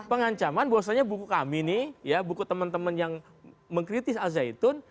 pengancaman bahwasanya buku kami nih buku temen temen yang mengkritis alzeitun